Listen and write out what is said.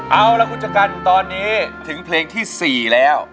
เอาล่ะคุณชะกันตอนนี้ถึงเพลงที่๔แล้ว